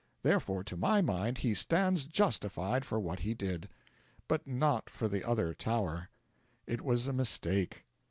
Therefore, to my mind, he stands justified for what he did. But not for the other Tower; it was a mistake.